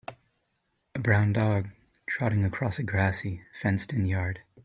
A brown dog trotting across a grassy, fencedin yard.